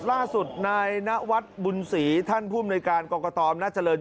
ล่าสุดนายนวัฒน์บุญศรีท่านภูมิในการกรกตอำนาจเจริญ